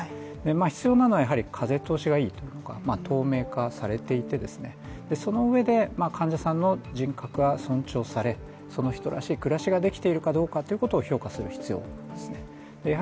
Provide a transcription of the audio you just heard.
必要なのは風通しがいいというか、透明化されていて、そのうえで、患者さんの人権が尊重されその人らしい暮らしができているかっていうことを評価する必要ですね。